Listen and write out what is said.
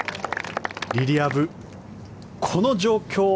リリア・ブ、この状況